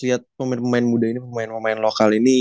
lihat pemain pemain muda ini pemain pemain lokal ini